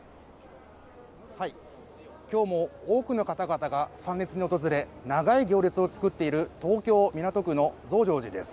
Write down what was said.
今日も多くの方々が参列に訪れ長い行列を作っている東京港区の増上寺です